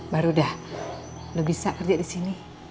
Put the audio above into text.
baru dah lo bisa kerja di sini